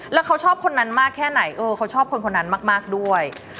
แล้วเขาชอบคนนั้นมากแค่ไหนเออเขาชอบคนคนนั้นมากด้วย